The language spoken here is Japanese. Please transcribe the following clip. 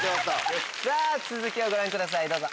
さぁ続きをご覧くださいどうぞ。